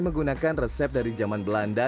menggunakan resep dari zaman belanda